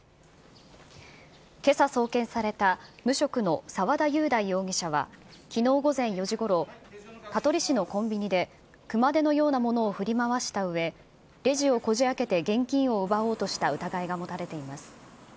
けさ送検された無職の沢田雄大容疑者は、きのう午前４時ごろ、香取市のコンビニで熊手のようなものを振り回したうえ、レジをこじあけて現金を奪おうとした疑いが持たれています。